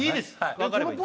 分かればいいです。